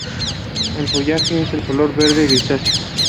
El follaje es de color verde grisáceo.